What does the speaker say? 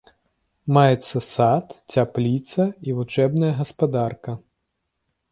Маецца сад, цяпліца і вучэбная гаспадарка.